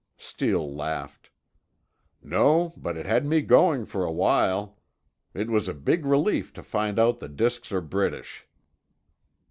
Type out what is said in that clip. Steele laughed. "No, but it had me going for a while. It was a big relief to find out the disks are British."